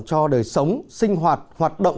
cho đời sống sinh hoạt hoạt động